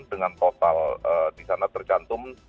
dengan total disana tercantum